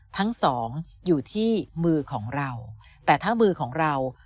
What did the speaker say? ทั้งสองอยู่ที่มือของเราแต่ถ้ามือของเรา